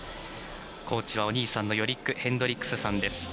コーチはお兄さんのヨリック・ヘンドリックスさん。